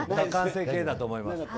完成型だと思います。